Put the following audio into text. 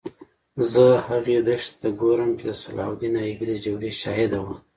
زه هغې دښتې ته ګورم چې د صلاح الدین ایوبي د جګړې شاهده وه.